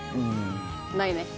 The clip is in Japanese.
ないねっ。